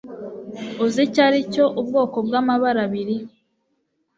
Uzi icyo aricyo ubwoko bwamabara abiri